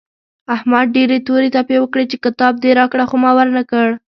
احمد ډېرې تورې تپې وکړې چې کتاب دې راکړه خو ما ور نه کړ.